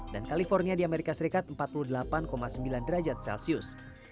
dan california di amerika serikat empat puluh delapan sembilan derajat celsius